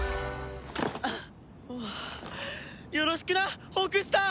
よろしくなホークスター！